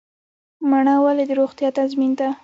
مڼه ولې د روغتیا تضمین ده؟